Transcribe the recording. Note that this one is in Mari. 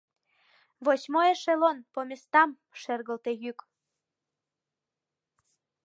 — Восьмой эшелон, по местам! — шергылте йӱк.